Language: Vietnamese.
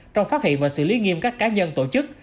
trong phát hiện và xử lý nghiêm các cá nhân tổ chức